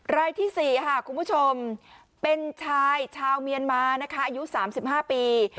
รายที่๔ค่ะคุณผู้ชมเป็นชายชาวเมียนมานะคะอายุ๓๕ปี